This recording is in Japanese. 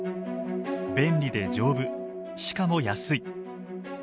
便利で丈夫しかも安い。